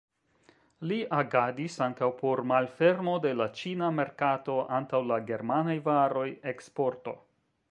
Li agadis ankaŭ por malfermo de la ĉina merkato antaŭ la germanaj varoj, eksporto.